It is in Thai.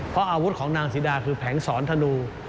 เพราะอาวุธของนางศรีดาคือแผงสอนธนู